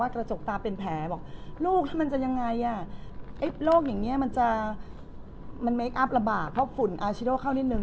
กระจกตาเป็นแผลบอกลูกแล้วมันจะยังไงโรคอย่างนี้มันจะมันเคคอัพระบาดเพราะฝุ่นอาชิโดเข้านิดนึ